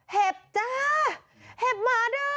เห็บจ้าเห็บหมาเด้อ